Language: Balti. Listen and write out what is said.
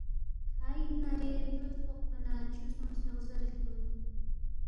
کھا اننا رے ترود فوقپانہ چھوسونگسے غذرے ہلتون